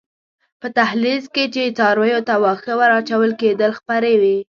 په دهلېز کې چې څارویو ته واښه ور اچول کېدل خپرې وې.